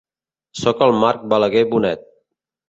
Soc el Marc Balaguer Bonet.